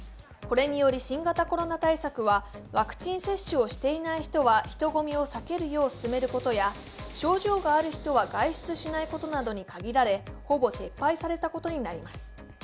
これにより新型コロナ対策はワクチン接種をしていない人は人混みを避けるよう勧めることや症状のある人は外出しないことなどに限られ、ほぼ撤廃されたことになります。